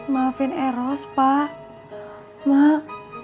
mak suatu saat nanti eros pasti pulang